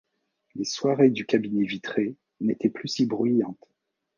Les soirées du cabinet vitré n’étaient plus si bruyantes.